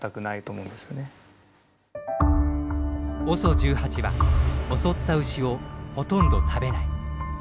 ＯＳＯ１８は襲った牛をほとんど食べない。